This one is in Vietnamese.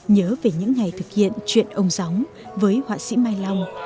nhớ về những ngày thực hiện chuyện ông gióng với họa sĩ mai long